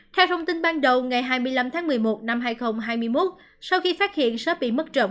theo thông tin ban đầu ngày hai mươi năm tháng một mươi một năm hai nghìn hai mươi một sau khi phát hiện sớm bị mất trộm